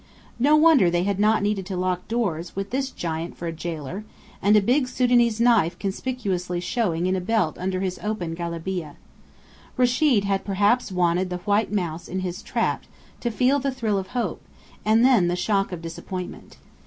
No wonder they had not needed to lock doors, with this giant for a jailer, and a big Sudanese knife conspicuously showing in a belt under his open galabeah! Rechid had perhaps wanted the white mouse in his trap to feel the thrill of hope, and then the shock of disappointment.